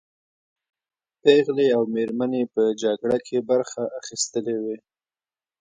پېغلې او مېرمنې په جګړه کې برخه اخیستلې وې.